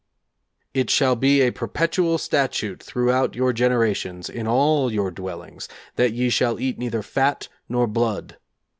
'It shall be a perpetual statute throughout your generations in all your dwellings, that ye shall eat neither fat nor blood.'